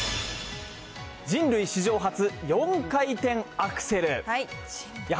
人類史上初４回転アクセル。